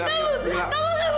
kalau sampai anak aku